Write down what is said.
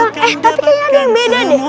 oh ada hasilnya